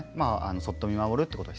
そっと見守るということ。